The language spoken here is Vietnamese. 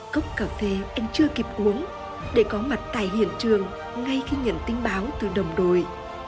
cốc cà phê anh chưa kịp uống để có mặt tại hiện trường ngay khi nhận tin báo từ đồng đồi